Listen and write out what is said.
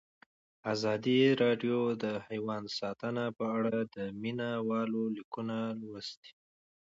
ازادي راډیو د حیوان ساتنه په اړه د مینه والو لیکونه لوستي.